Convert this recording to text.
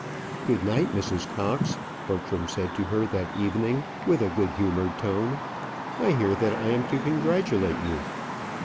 "Good night, Mrs. Cox," Bertram said to her that evening, with a good humoured tone; "I hear that I am to congratulate you."